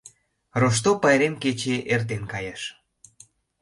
Рошто пайрем кече эртен кайыш.